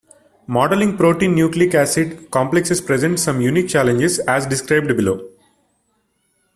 Modeling protein-nucleic acid complexes presents some unique challenges, as described below.